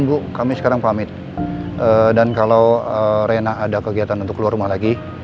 bumpuk banget lagi